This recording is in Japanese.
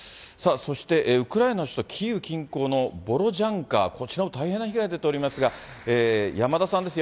そして、ウクライナの首都キーウ近郊のボロジャンカ、こちらも大変な被害出ておりますが、山田さんです。